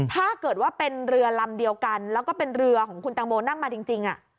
ถ้าเกิดว่าเป็นเรือลำเดียวกันแล้วก็เป็นเรือของคุณตังโมนั่งมาจริง